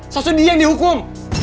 lo jadi yang dihukum